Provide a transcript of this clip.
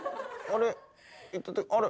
あれ？